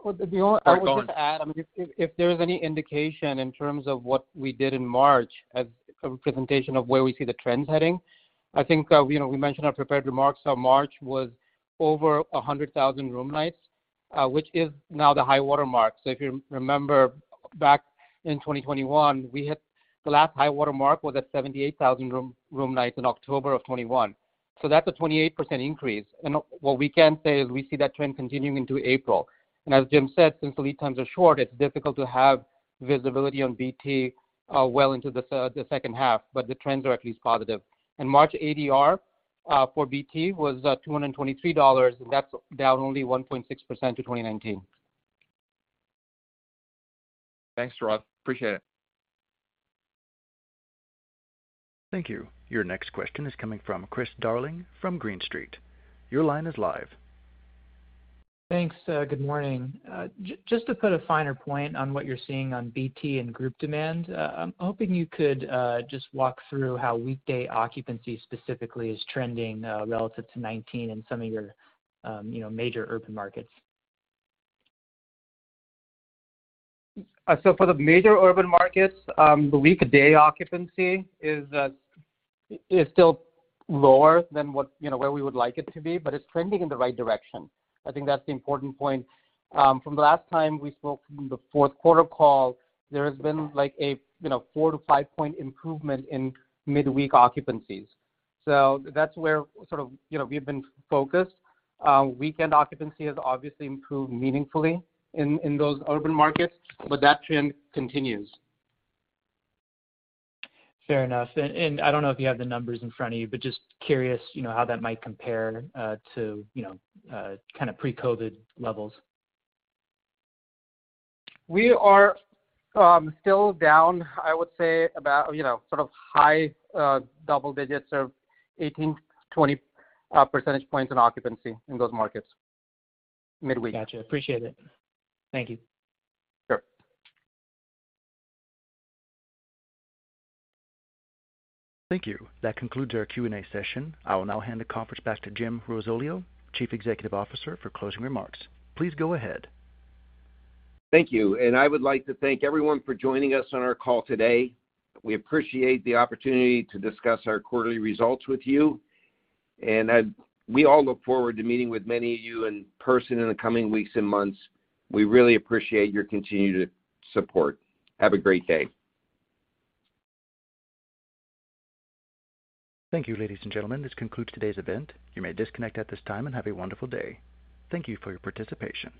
I would just add, I mean, if there's any indication in terms of what we did in March as a presentation of where we see the trends heading, I think, you know, we mentioned our prepared remarks. March was over 100,000 room nights, which is now the high water mark. If you remember back in 2021, we hit the last high water mark was at 78,000 room nights in October of 2021. That's a 28% increase. What we can say is we see that trend continuing into April. As Jim said, since the lead times are short, it's difficult to have visibility on BT well into the second half, but the trends are at least positive. March ADR for BT was $223, and that's down only 1.6% to 2019. Thanks, Sourav. Appreciate it. Thank you. Your next question is coming from Chris Darling from Green Street. Your line is live. Thanks. Good morning. Just to put a finer point on what you're seeing on BT and group demand, I'm hoping you could just walk through how weekday occupancy specifically is trending relative to 2019 in some of your, you know, major urban markets? For the major urban markets, the weekday occupancy is still lower than what, you know, where we would like it to be, but it's trending in the right direction. I think that's the important point. From the last time we spoke in the fourth quarter call, there has been like a, you know, four to five point improvement in midweek occupancies. That's where sort of, you know, we've been focused. Weekend occupancy has obviously improved meaningfully in those urban markets, but that trend continues. Fair enough. I don't know if you have the numbers in front of you, but just curious, you know, how that might compare to, you know, kind of pre-COVID levels. We are still down, I would say, about, you know, sort of high double digits or 18-20 percentage points in occupancy in those markets midweek. Gotcha. Appreciate it. Thank you. Sure. Thank you. That concludes our Q&A session. I will now hand the conference back to Jim Risoleo, Chief Executive Officer, for closing remarks. Please go ahead. Thank you. I would like to thank everyone for joining us on our call today. We appreciate the opportunity to discuss our quarterly results with you. We all look forward to meeting with many of you in person in the coming weeks and months. We really appreciate your continued support. Have a great day. Thank you, ladies and gentlemen. This concludes today's event. You may disconnect at this time, and have a wonderful day. Thank you for your participation.